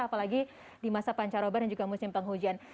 apalagi di masa pancaroba dan juga musim penghujan